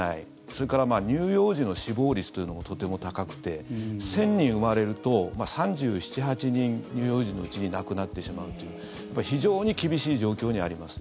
それから、乳幼児の死亡率というのもとても高くて１０００人生まれると３７３８人が乳幼児のうちに亡くなってしまうという非常に厳しい状況にあります。